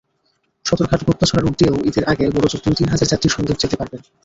Sadarghat-Guptachhara route দিয়েও ঈদের আগে বড়জোর দুই-তিন হাজার যাত্রী সন্দ্বীপ যেতে পারবেন।